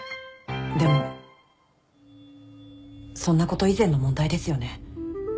でもそんなこと以前の問題ですよね。